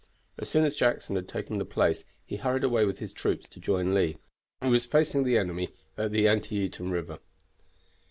As soon as Jackson had taken the place he hurried away with his troops to join Lee, who was facing the enemy at the Antietam river.